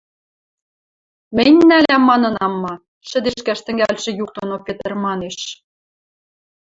— Мӹнь нӓлӓм манынам ма? — шӹдешкӓш тӹнгӓлшӹ юк доно Петр манеш.